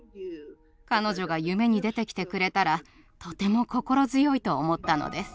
彼女が夢に出てきてくれたらとても心強いと思ったのです。